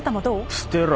捨てろ。